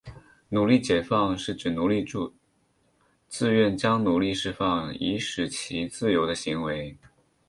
奴隶解放是指奴隶主自愿将奴隶释放以使其自由的行为。